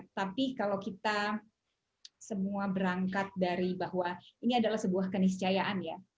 tapi kalau kita semua berangkat dari bahwa ini adalah sebuah keniscayaan ya